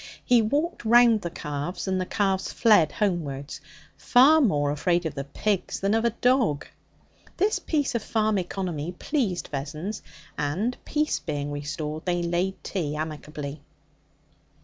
He walked round the calves, and the calves fled homewards, far more afraid of the pigs than of a dog. This piece of farm economy pleased Vessons, and, peace being restored, they laid tea amicably.